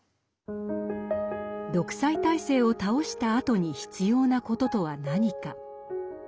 独裁体制を倒したあとに必要なこととは何か。